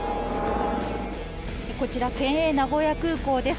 こちら県営名古屋空港です。